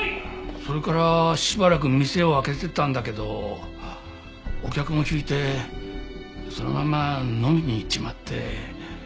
それからしばらく店を開けてたんだけどお客も引いてそのまま飲みに行っちまって。